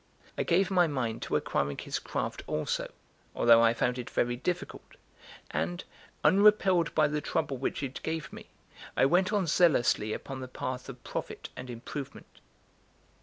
I gave my mind to acquiring his craft also, although I found it very difficult; and, unrepelled by the trouble which it gave me, I went on zealously upon the path of profit and improvement.